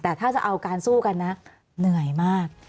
แต่ถ้าจะเอาการสู้กันนะเหนื่อยมาก